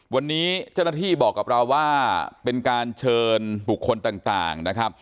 วันนี้เจ้าหน้าที่บอกกับเราว่าเป็นการเชิญบุคคลต่างนะครับ